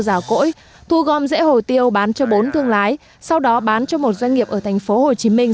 giảm cỗi thu gom rễ hồ tiêu bán cho bốn thương lái sau đó bán cho một doanh nghiệp ở thành phố hồ chí minh